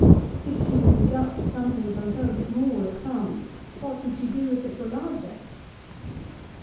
If she would deduct something from so small a sum, what would she do if it were larger